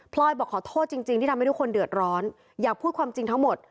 ลอยบอกขอโทษจริงที่ทำให้ทุกคนเดือดร้อนอยากพูดความจริงทั้งหมด